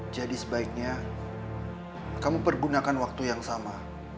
jadi sebaiknya kamu pergunakan waktu yang sama